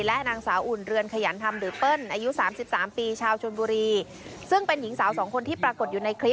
และนางสาวอุ่นเรือนขยันธรรมหรือเปิ้ลอายุสามสิบสามปีชาวชนบุรีซึ่งเป็นหญิงสาวสองคนที่ปรากฏอยู่ในคลิป